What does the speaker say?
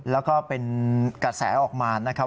แล้วก็เป็นกระแสออกมานะครับ